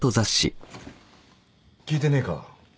聞いてねえか？